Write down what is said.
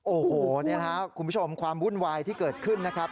โอ้โหนี่นะครับคุณผู้ชมความวุ่นวายที่เกิดขึ้นนะครับ